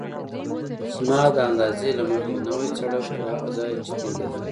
زما د اندازې له مخې نوی سړک تر هغه ځایه چې تنګېده.